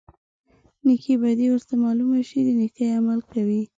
نیکې بدي ورته معلومه شي د نیکۍ عمل کوي.